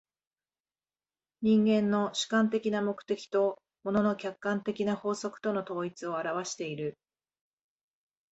人間の主観的な目的と物の客観的な法則との統一を現わしている。